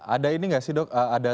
ada ini nggak sih dok